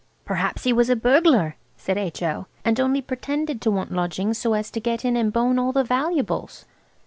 "Perhaps he was a burglar," said H.O., "and only pretended to want lodgings so as to get in and bone all the valuables."